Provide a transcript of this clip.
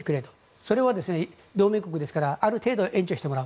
それは同盟国ですからある程度は援助してもらう。